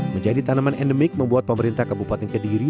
menjadi tanaman endemik membuat pemerintah kabupaten kediri